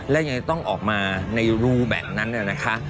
และยังต้องออกมาในรูแบบนั้นนะคะ